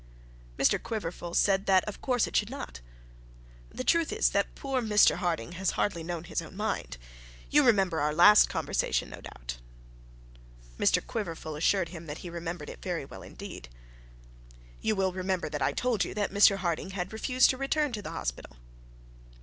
Mr Quiverful said of course that it should not. 'The truth is, that poor Mr Harding has hardly known his own mind. You remember our last conversation, no doubt.' Mr Quiverful assured him that he remembered it very well indeed. 'You will remember that I told you that Mr Harding had refused to return to the hospital.'